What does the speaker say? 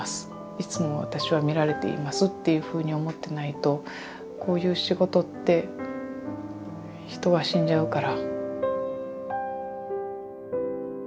いつも私は見られていますっていうふうに思ってないとこういう仕事って人は死んじゃうから。